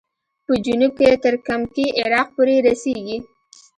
په جنوب کې تر کمکي عراق پورې رسېږي.